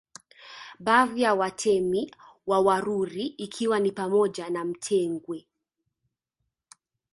Baadhi ya Watemi wa Waruri ikiwa ni pamoja na Mtwenge